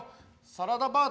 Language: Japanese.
サラダバー。